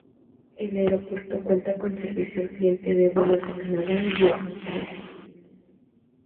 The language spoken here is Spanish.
El aeropuerto cuenta con servicio al cliente de vuelos de Canadá y otros países.